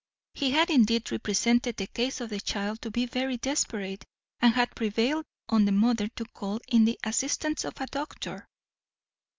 He had indeed represented the case of the child to be very desperate, and had prevailed on the mother to call in the assistance of a doctor.